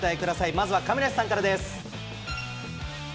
まずは亀梨さんからです。